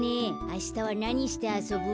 あしたはなにしてあそぶ？